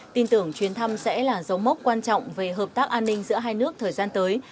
tin tưởng chuyến thăm sẽ là dấu mốc quan trọng về hợp tác an ninh giữa hai nước thời gian tới